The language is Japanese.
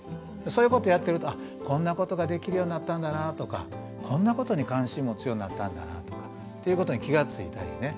そういうことやってるとあこんなことができるようになったんだなとかこんなことに関心持つようになったんだなとかっていうことに気が付いたりね。